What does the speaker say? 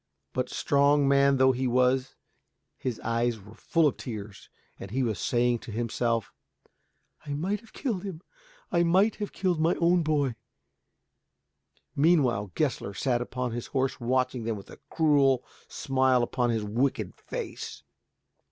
But strong man though he was his eyes were full of tears, and he was saying to himself, "I might have killed him. I might have killed my own boy." Meanwhile Gessler sat upon his horse watching them with a cruel smile upon his wicked face.